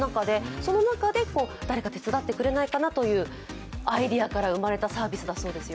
その中で誰か手伝ってくれないかなというアイデアから生まれたサービスだそうですよ。